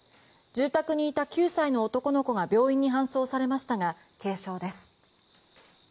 住宅にいた９歳の男の子が病院に搬送されましたが軽傷です。